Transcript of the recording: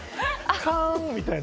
カンみたいな。